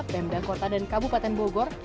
pemda kota dan kabupaten bogor